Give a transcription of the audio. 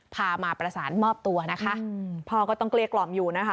พามาประสานมอบตัวนะคะพ่อก็ต้องเกลี้ยกล่อมอยู่นะคะ